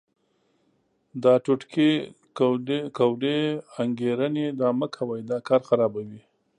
دا ټوټکې، کوډې، انګېرنې دا مه کوئ، دا کار خرابوي.